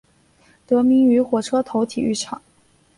得名于火车头体育场。